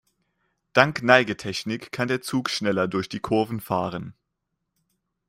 Dank Neigetechnik kann der Zug schneller durch die Kurven fahren.